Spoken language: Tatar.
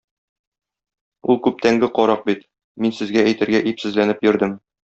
Ул күптәнге карак бит, мин сезгә әйтергә ипсезләнеп йөрдем.